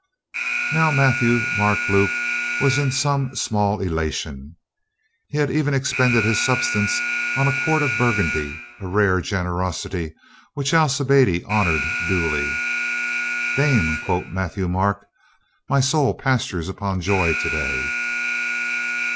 Now, Matthieu Marc Luc was in some small ela tion. He had even expended his substance on a quart of Burgundy, a rare generosity which Alci biade honored duly. ''Dame," quoth Matthieu Marc, "my soul pastures upon joy to day."